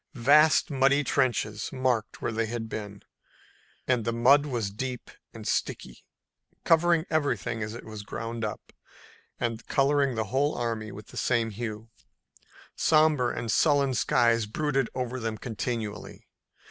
Vast muddy trenches marked where they had been, and the mud was deep and sticky, covering everything as it was ground up, and coloring the whole army the same hue. Somber and sullen skies brooded over them continually.